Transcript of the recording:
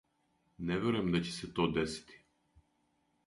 Не верујем да ће се то десити.